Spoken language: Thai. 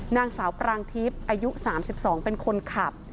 นางสาวปรางทิพย์อายุ๓๒เป็นคนขับ